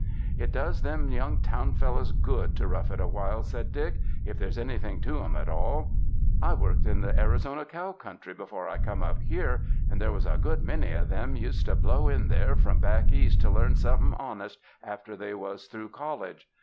*'It does them young town fellows good to rough it awhile," said Dick, ''if there's anything to 'em at all. I worked in the Arizona cow country before 80 c3 THE MOUNTAINS I come up here, and there was a good many of them used to blow in there from back East to learn somethin' honest after they was through college.